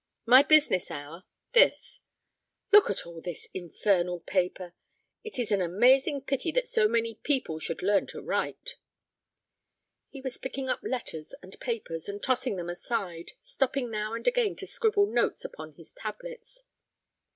My business hour—this; look at all this infernal paper; it is an amazing pity that so many people should learn to write." He was picking up letters and papers, and tossing them aside, stopping now and again to scribble notes upon his tablets.